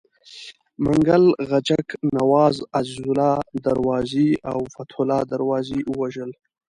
منګل غچک نواز، عزیزالله دروازي او فتح الله دروازي ووژل.